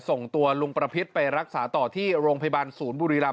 ส่งตัวลุงประพิษไปรักษาต่อที่โรงพยาบาลศูนย์บุรีรำ